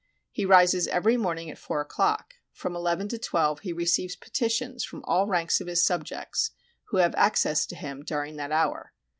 He rises every morning at four o'clock. From eleven to twelve he receives petitions from all ranks of his subjects, who have access to him during that hour.